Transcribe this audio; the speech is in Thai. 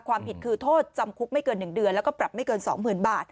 ความผิดคือโทษจำคุกไม่เกิน๑เดือนแล้วก็ปรับไม่เกิน๒๐๐๐บาท